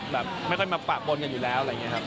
แบบไม่ค่อยมาปากปนกันอยู่แล้วอะไรอย่างนี้ครับ